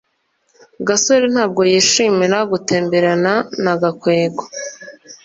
gasore ntabwo yishimira gutemberana na gakwego